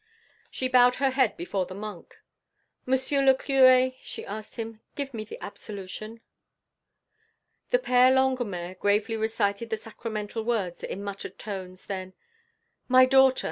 She bowed her head before the monk: "Monsieur le Curé," she asked him, "give me absolution." The Père Longuemare gravely recited the sacramental words in muttered tones; then: "My daughter!"